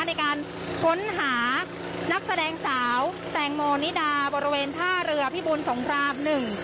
ในการค้นหานักแสดงสาวแตงโมนิดาบริเวณท่าเรือพิบูลสงครามหนึ่ง